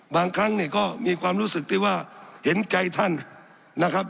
บางครั้งเนี่ยก็มีความรู้สึกที่ว่าเห็นใจท่านนะครับ